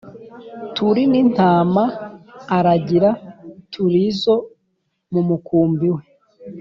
Turi n’ intama aragiraTur’ izo mu mukumbi we